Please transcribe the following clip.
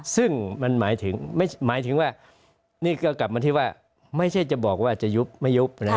ซึ่งมันหมายถึงหมายถึงว่านี่ก็กลับมาที่ว่าไม่ใช่จะบอกว่าจะยุบไม่ยุบ